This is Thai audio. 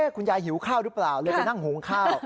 คุณยายหิวข้าวหรือเปล่าเลยไปนั่งหุงข้าว